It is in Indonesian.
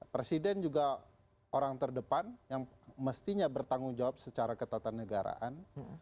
presiden juga orang terdepan yang mestinya bertanggung jawab secara ketatanegaraan